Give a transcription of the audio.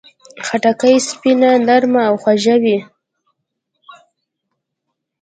خټکی سپینه، نرمه او خوږه وي.